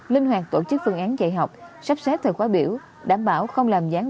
linh hoạt tổ chức phương án dạy học sắp xếp thời khóa biểu đảm bảo không làm gián